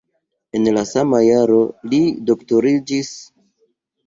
En la sama jaro li doktoriĝis.